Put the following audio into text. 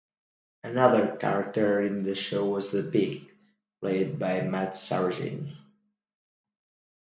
Another character in the show was "The Pig" played by Matt Sarazine.